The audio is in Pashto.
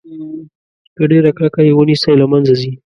که ډیره کلکه یې ونیسئ له منځه ځي.